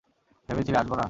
ভেবেছিলে আসবো না?